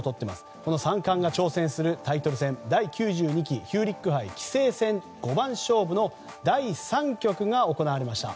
この三冠が挑戦するタイトル戦第９２期ヒューリック杯棋聖戦五番勝負の第３局が行われました。